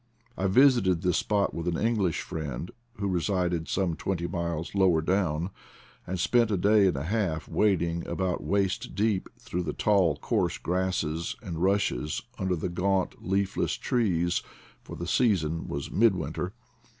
J visited this v. spot with an English friend, who resided some twenty miles lower down, and spent a day and a half wading about waist deep through the tall, coarse grasses and rushes under the gaunt, leafless trees, for the season was midwinter.